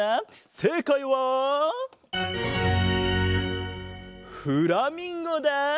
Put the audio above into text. せいかいはフラミンゴだ。